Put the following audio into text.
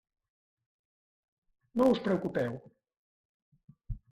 No us preocupeu.